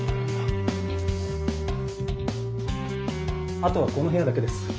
あとはこの部屋だけです。